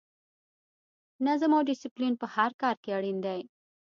نظم او ډسپلین په هر کار کې اړین دی.